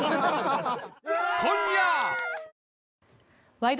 「ワイド！